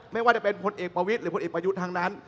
ไม่ว่าจะเป็นพลเอกประวิทย์หรือพลเอกประยุทธ์ทั้งนั้น